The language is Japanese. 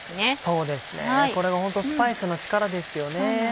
そうですねこれがホントスパイスの力ですよね。